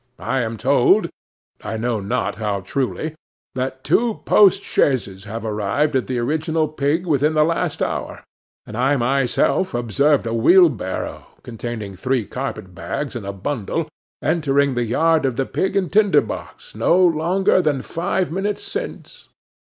I am told (I know not how truly) that two post chaises have arrived at the Original Pig within the last half hour, and I myself observed a wheelbarrow, containing three carpet bags and a bundle, entering the yard of the Pig and Tinder box no longer ago than five minutes since.